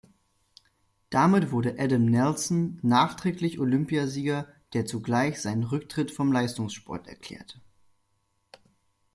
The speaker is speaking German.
Damit wurde Adam Nelson nachträglich Olympiasieger, der zugleich seinen Rücktritt vom Leistungssport erklärte.